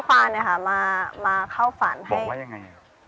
ชื่องนี้ชื่องนี้ชื่องนี้ชื่องนี้ชื่องนี้